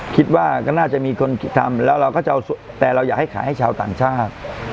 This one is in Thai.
คิดว่าก็น่าจะมีคนทำแต่เราอยากให้ขายให้ชาวต่างชาติ